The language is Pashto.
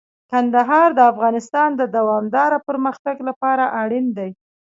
کندهار د افغانستان د دوامداره پرمختګ لپاره اړین دی.